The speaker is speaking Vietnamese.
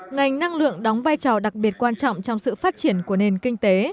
ngành năng lượng đóng vai trò đặc biệt quan trọng trong sự phát triển của nền kinh tế